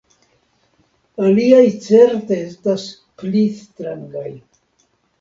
Aliaj certe estas pli strangaj.